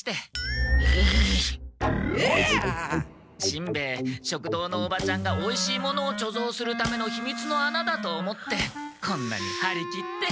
しんべヱ食堂のおばちゃんがおいしいものをちょぞうするためのひみつの穴だと思ってこんなにはり切って。